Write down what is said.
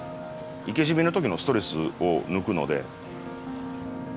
生け締めの時のストレスを抜くので。